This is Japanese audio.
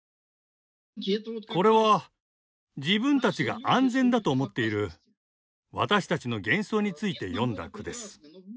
これは自分たちが安全だと思っている私たちの幻想について詠んだ句です。